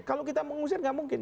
kalau kita mengusir nggak mungkin